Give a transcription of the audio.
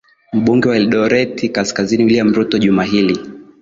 mbunge wa eldoret kaskazini wiliam ruto juma hili